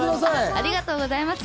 ありがとうございます。